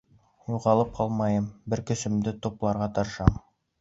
Юғалып ҡалмайым, бар көсөмдө тупларға тырышам.